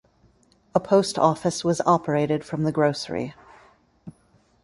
A post office was operated from the grocery.